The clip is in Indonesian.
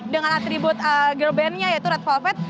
dengan atribut girl bandnya yaitu red velvet